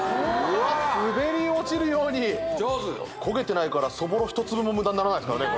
わっ滑り落ちるように上手よ焦げてないからそぼろ一粒も無駄にならないですからね